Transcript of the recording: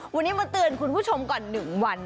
วันนี้มาเตือนคุณผู้ชมก่อน๑วัน